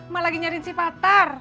mak lagi nyariin si patar